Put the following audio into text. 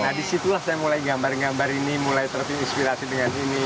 nah disitulah saya mulai gambar gambar ini mulai terinspirasi dengan ini